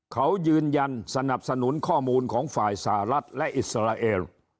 เขายืนยันสนับสนุนข้อมูลของฝ่ายสหรัฐและอิสราเอล